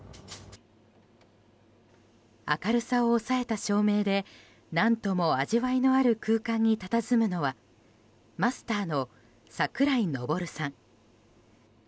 明るさを抑えた照明で何とも味わいのある空間にたたずむのはマスターの櫻井昇さん。